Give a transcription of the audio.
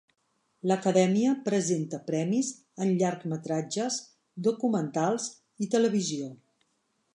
L'Acadèmia presenta premis en llargmetratges, documentals i televisió.